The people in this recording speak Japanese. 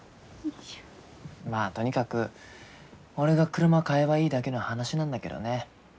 まあとにかく俺が車買えばいいだけの話なんだけどね。